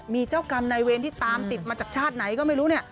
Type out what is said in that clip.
มีเจ้ากรรมนายเวรที่ตามติดมาจากชาติไหนก็ไม่รู้เนี่ย